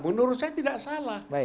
menurut saya tidak salah